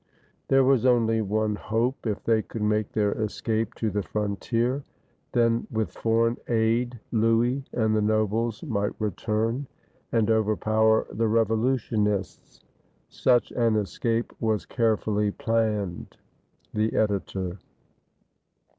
There was only one hope, if they could make their escape to the frontier, then with foreign aid Louis and the nobles might return and overpower the revolutionists. Such an escape was carefully planned. The Editor.